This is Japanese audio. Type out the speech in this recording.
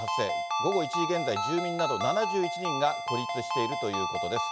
午後１時現在、住民など７１人が孤立しているということです。